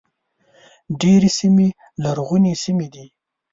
ډېرې سیمې لرغونې سیمې دي.